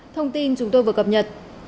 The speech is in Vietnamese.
thông tin chúng tôi vừa cập nhật